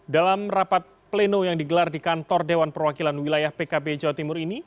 dalam rapat pleno yang digelar di kantor dewan perwakilan wilayah pkb jawa timur ini